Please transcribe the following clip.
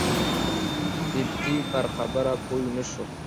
قبطي پر خبره پوی نه شو.